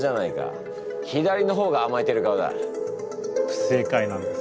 不正解なんです。